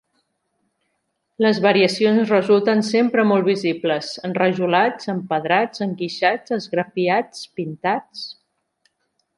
Les variacions resulten sempre molt visibles: enrajolats empedrats enguixats esgrafiats pintats...